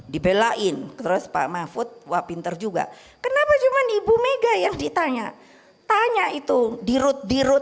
dibelain terus pak mahfud wah pinter juga kenapa cuman ibu mega yang ditanya tanya itu dirut dirut